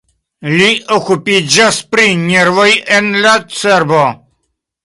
Li okupiĝas pri nervoj en la cerbo.